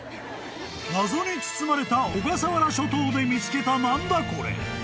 ［謎に包まれた小笠原諸島で見つけた何だコレ！？］